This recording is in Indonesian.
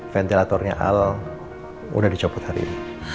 ventilatornya al sudah dicopot hari ini